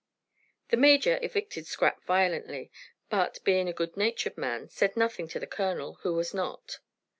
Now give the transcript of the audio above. The major evicted Scrap violently, but, being a good natured man, said nothing to the colonel, who was not.